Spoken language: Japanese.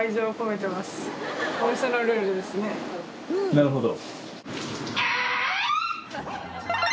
なるほど。